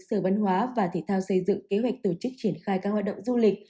sở văn hóa và thể thao xây dựng kế hoạch tổ chức triển khai các hoạt động du lịch